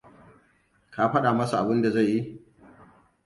Ka faɗa masa abinda zai yi?